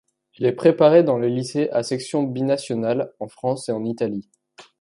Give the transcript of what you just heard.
Il est préparé dans des lycées à section binationale en France et en Italie.